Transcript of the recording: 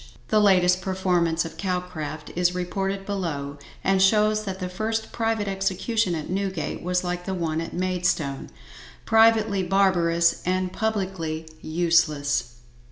The latest performance of Calcraft is reported below, and shows that the first private execution at Newgate was like the one at Maidstone, privately barbarous and publicly useless.